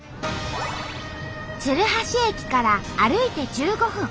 鶴橋駅から歩いて１５分。